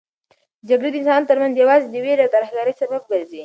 جګړه د انسانانو ترمنځ یوازې د وېرې او ترهګرۍ سبب ګرځي.